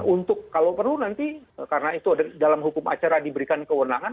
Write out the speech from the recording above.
untuk kalau perlu nanti karena itu dalam hukum acara diberikan kewenangan